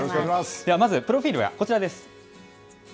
ではまず、プロフィールはこちらです。